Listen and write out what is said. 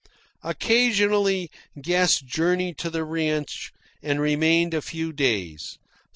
Occasionally guests journeyed to the ranch and remained a few days.